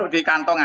masih ada tuh saya